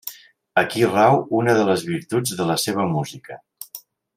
Aquí rau una de les virtuts de la seva música.